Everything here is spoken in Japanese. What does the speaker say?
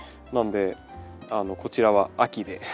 なのでこちらは秋で。